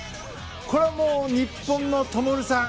これはもう日本の灯さん